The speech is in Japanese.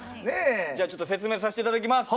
じゃあちょっと説明させて頂きます。